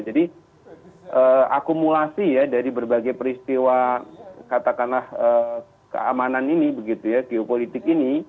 jadi akumulasi ya dari berbagai peristiwa katakanlah keamanan ini begitu ya geopolitik ini